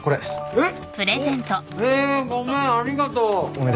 えっ！